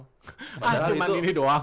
ah cuma ini doang